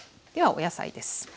ではお野菜です。